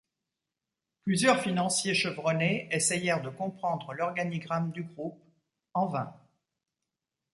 Plusieurs financiers chevronnés essayèrent de comprendre l’organnigramme du groupe, en vain.